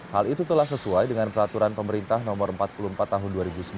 hal itu telah sesuai dengan peraturan pemerintah no empat puluh empat tahun dua ribu sembilan belas